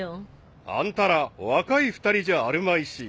［あんたら若い二人じゃあるまいし］